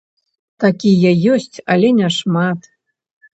Такія ёсць, але няшмат.